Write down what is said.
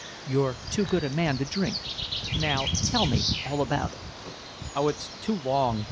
"You're too good a man to drink. Now, tell me all about it." "Oh, it's too long!